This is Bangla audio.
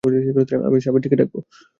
আমি সাবিত্রীকে ডাকবো।